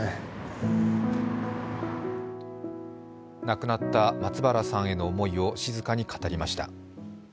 亡くなった松原さんへの思いを静かに語りました。